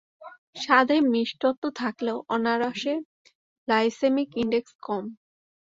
স্বাদে মিষ্টত্ব থাকলেও আনারসে গ্লাইসেমিক ইনডেক্স কম।